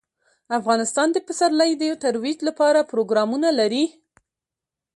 افغانستان د پسرلی د ترویج لپاره پروګرامونه لري.